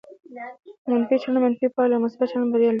منفي چلند منفي پایله او مثبت چلند بریا لري.